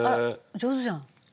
上手じゃん。